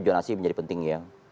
zonasi menjadi penting ya